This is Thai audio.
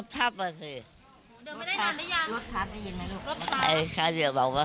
รถทัพไม่เห็นเหรอลูกไอ้ค่าเจ็บบอกว่า